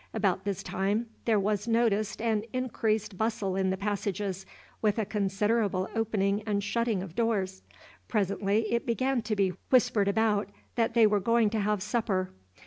About this time there was noticed an increased bustle in the passages, with a considerable opening and shutting of doors. Presently it began to be whispered about that they were going to have supper.